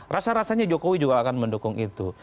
rasa rasanya jokowi juga akan mendukung itu